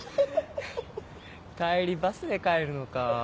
帰りバスで帰るのか。